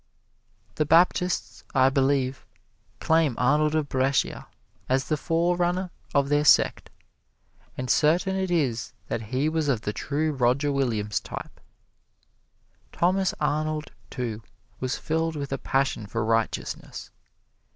The Baptists, I believe, claim Arnold of Brescia as the forerunner of their sect, and certain it is that he was of the true Roger Williams type. Thomas Arnold, too, was filled with a passion for righteousness.